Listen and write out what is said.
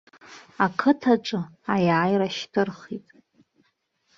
Ақыҭаҿы аиааира шьҭырхит.